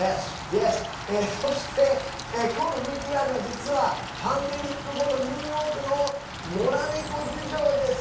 そして、きょうのＶＴＲは実はパンデミック後のニューヨークの、のら猫事情です。